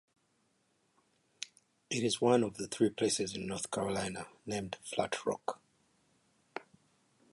It is one of three places in North Carolina named Flat Rock.